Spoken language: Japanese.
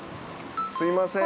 すみません。